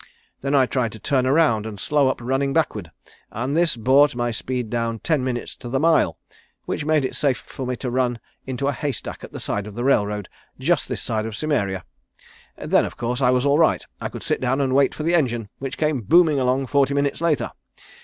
Then I tried to turn around and slow up running backward; this brought my speed down ten minutes to the mile, which made it safe for me to run into a hay stack at the side of the railroad just this side of Cimmeria. Then, of course, I was all right. I could sit down and wait for the engine, which came booming along forty minutes later.